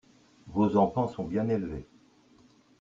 Vos enfants sont bien élevés.